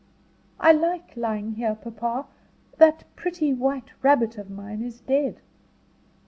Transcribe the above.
"I like lying here. Papa, that pretty white rabbit of mine is dead."